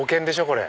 これ。